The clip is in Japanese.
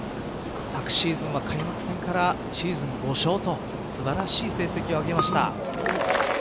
昨シーズンは開幕戦からシーズン５勝と素晴らしい成績を挙げました。